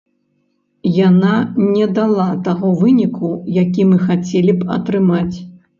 Яна не дала таго выніку, які мы хацелі б атрымаць.